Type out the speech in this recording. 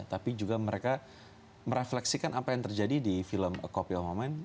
tapi juga mereka merefleksikan apa yang terjadi di film a copy of my mind